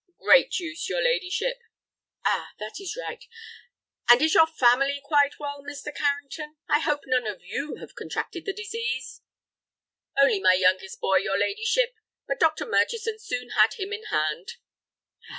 "Great use, your ladyship." "Ah, that is right; and is your family quite well, Mr. Carrington? I hope none of you have contracted the disease?" "Only my youngest boy, your ladyship, but Dr. Murchison soon had him in hand."